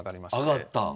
上がった。